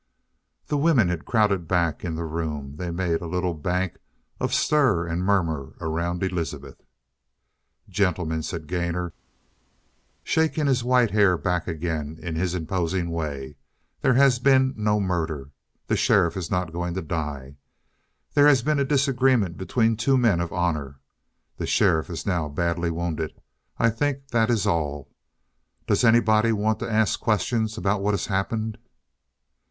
The women had crowded back in the room. They made a little bank of stir and murmur around Elizabeth. "Gentlemen," said Gainor, shaking his white hair back again in his imposing way, "there has been no murder. The sheriff is not going to die. There has been a disagreement between two men of honor. The sheriff is now badly wounded. I think that is all. Does anybody want to ask questions about what has happened?"